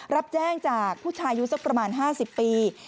รับแจ้งจากผู้ชายอายุสักประมาณ๕๐ปี